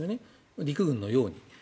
陸軍のように。